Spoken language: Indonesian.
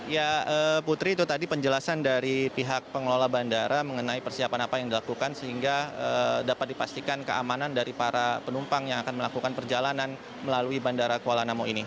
ya putri itu tadi penjelasan dari pihak pengelola bandara mengenai persiapan apa yang dilakukan sehingga dapat dipastikan keamanan dari para penumpang yang akan melakukan perjalanan melalui bandara kuala namu ini